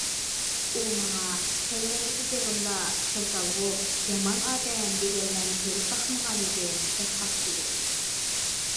ئۇ ماڭا:« تەيۋەندىكى چېغىمدا توسالغۇ، يامان ئادەم دېگەنلەرنى كۆرۈپ باقمىغان ئىدىم» دەپ قاقشىدى.